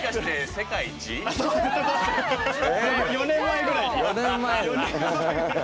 ４年前ぐらいに。